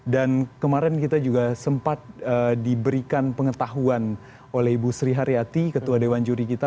dan kemarin kita juga sempat diberikan pengetahuan oleh ibu sriharyati ketua dewan juri kita